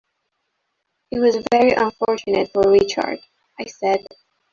It was very unfortunate for Richard, I said.